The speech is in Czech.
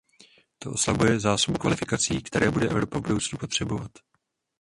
To oslabuje zásobu kvalifikací, které bude Evropa v budoucnu potřebovat.